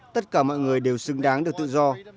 tất cả mọi người đều xứng đáng được tự do